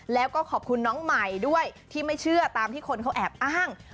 แล้วก็ขอบคุณน้องใหม่ด้วยที่ไม่เชื่อตามที่คนเขาแอบอ้าง